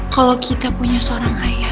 kalau kita punya seorang ayah